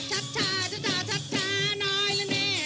ชักชาชักชาชักช้าน้อยนะแม่